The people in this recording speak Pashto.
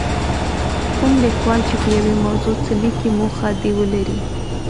کوم لیکوال چې په یوې موضوع څه لیکي موخه دې ولري.